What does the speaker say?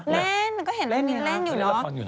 เล่นก็เห็นเล่นอยู่หรอก